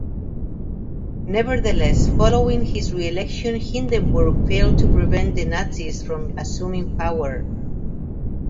Nevertheless, following his re-election, Hindenburg failed to prevent the Nazis from assuming power.